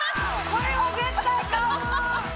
これは絶対買う！